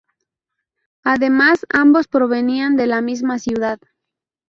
Además, ambos provenían de la misma ciudad.